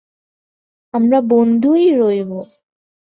আমরা বন্ধুই রইব।